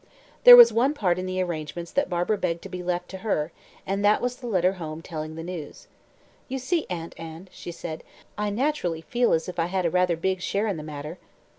There was one part in the arrangements that Barbara begged to be left to her, and that was the letter home telling the news. "You see, Aunt Anne," she said, "I naturally feel as if I had rather a big share in the matter."